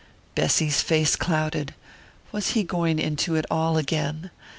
Bessy's face clouded: was he going into it all again?